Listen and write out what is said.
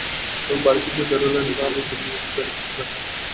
তবে বাড়ি থেকে বেরুলেন না এবং নিজের মেয়েকেও বেরুতে দিলেন না।